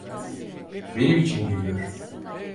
Benim için geliyor.